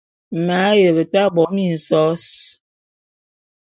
M’ aye beta bo minsos.